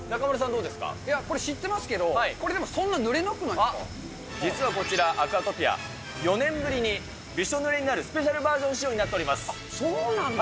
いや、これ知ってますけど、これ、でも、あっ、実はこちら、アクアトピア、４年ぶりに、びしょ濡れになるスペシャルバージョン仕様にそうなんだ？